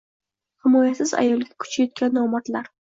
himoyasiz ayolga kuchi yetgan nomardlar